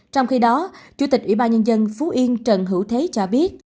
trong khi đó chủ tịch ủy ban nhân dân phú yên trần hữu thế cho biết